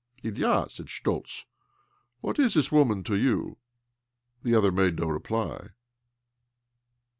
" Ilya," said Schtoltz, " what is this woman to you ?" 'The other made no reply.